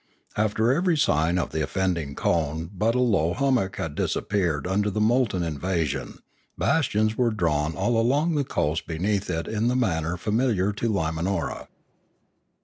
After every sign of the offending cone but a low hummock had disappeared under the molten invasion, bastions were drawn all along the coast beneath it in the manner familiar to Limanora.